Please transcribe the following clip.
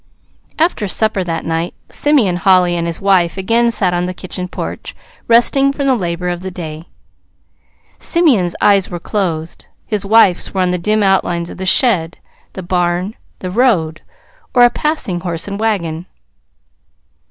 After supper that night, Simeon Holly and his wife again sat on the kitchen porch, resting from the labor of the day. Simeon's eyes were closed. His wife's were on the dim outlines of the shed, the barn, the road, or a passing horse and wagon.